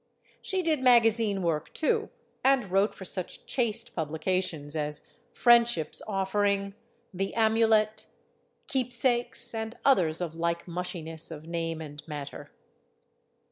She did magazine work, too, and wrote for such chaste publications as Friendship's Offering, The Amu let, Keepsakes, and others of like mushiness of name and matter.